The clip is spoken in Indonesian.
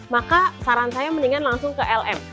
maka saran saya mendingan langsung ke lm